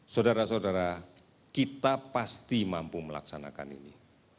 saudara saudara kita pasti mampu melaksanakan ini